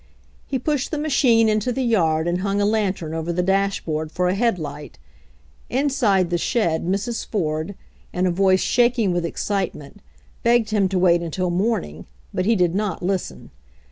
He pushed the machine into the yard and hung a lantern over the dashboard for a headlight. In side the shed Mrs. Ford, in a voice shaking with excitement, begged him to wait until morning,. but he did not listen.